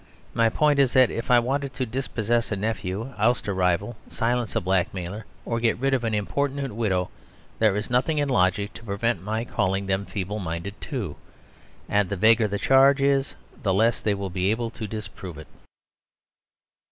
My point is that if I want to dispossess a nephew, oust a rival, silence a blackmailer, or get rid of an importunate widow, there is nothing in logic to prevent my calling them feeble minded too. And the vaguer the charge is the less they will be able to disprove it.